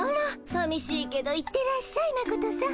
さみしいけど行ってらっしゃいマコトさん。